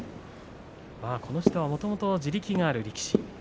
この人はもともと地力のある力士です。